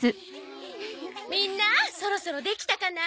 みんなそろそろできたかな？